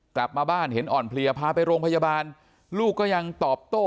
กลับมาบ้านเห็นอ่อนเพลียพาไปโรงพยาบาลลูกก็ยังตอบโต้